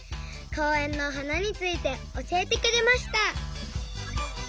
こうえんのはなについておしえてくれました。